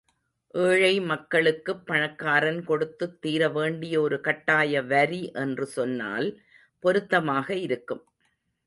ஏழை மக்களுக்குப் பணக்காரன் கொடுத்துத் தீரவேண்டிய ஒரு கட்டாய வரி என்று சொன்னால் பொருத்தமாக இருக்கும்.